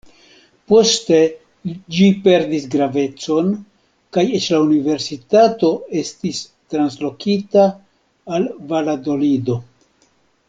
Poste ĝi perdis gravecon, kaj eĉ la universitato estis translokita al Valadolido.